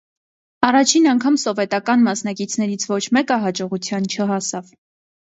Առաջին անգամ սովետական մասնակիցներից ոչ մեկը հաջողության չհասավ։